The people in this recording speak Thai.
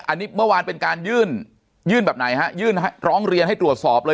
อันนี้เมื่อวานเป็นการยื่นยื่นแบบไหนฮะยื่นร้องเรียนให้ตรวจสอบเลย